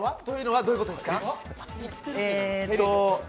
というのはどういうことですか？